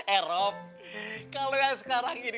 eh rob kalau yang sekarang ini